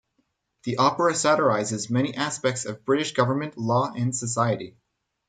The opera satirises many aspects of British government, law and society.